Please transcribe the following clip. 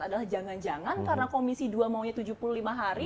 adalah jangan jangan karena komisi dua maunya tujuh puluh lima hari